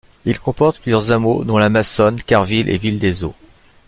Il comporte plusieurs hameaux, dont la Maçonne, Carville et Ville-des-Eaux.